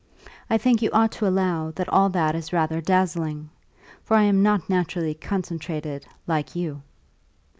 I think you ought to allow that all that is rather dazzling for I am not naturally concentrated, like you!"